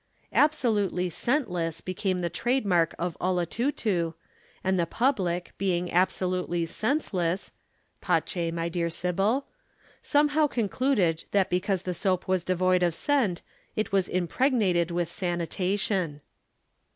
"Absolutely scentless" became the trademark of "Olotutu" and the public, being absolutely senseless (pace, my dear Sybil), somehow concluded that because the soap was devoid of scent it was impregnated with sanitation.